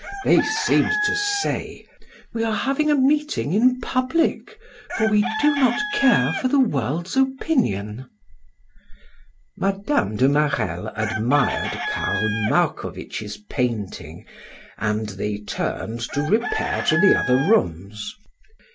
They seemed to say: "We are having a meeting in public, for we do not care for the world's opinion." Mme. de Marelle admired Karl Marcovitch's painting, and they turned to repair to the other rooms.